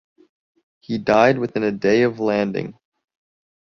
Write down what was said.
He died within a day of landing.